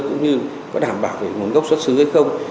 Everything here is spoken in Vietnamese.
cũng như có đảm bảo về nguồn gốc xuất xứ hay không